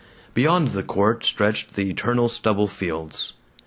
Beyond the court stretched the eternal stubble fields.